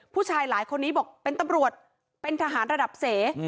ผู้ชายคนนี้บอกเป็นตำรวจเป็นทหารระดับเส